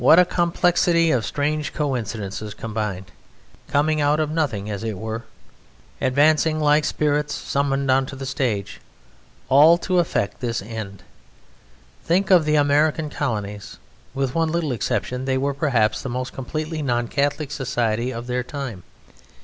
What a complexity of strange coincidences combined, coming out of nothing as it were, advancing like spirits summoned on to the stage, all to effect this end! Think of the American Colonies; with one little exception they were perhaps the most completely non Catholic society of their time.